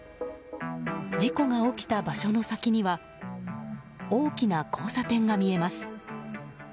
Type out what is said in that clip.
事故が起きた場所の先には大きな交差点が見えます。